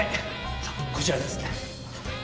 さあこちらです。